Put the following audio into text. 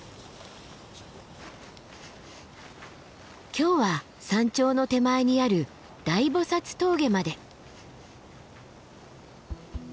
今日は山頂の手前にある大菩峠まで。